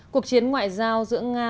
cuộc chiến ngoại giao giữa nga